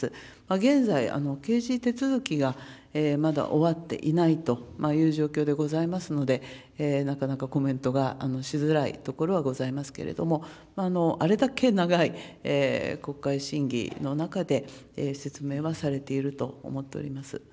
現在、刑事手続きがまだ終わっていないという状況でございますので、なかなかコメントがしづらいところはございますけれども、あれだけ長い国会審議の中で説明はされていると思っております。